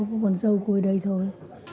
có con dâu cuối đây thôi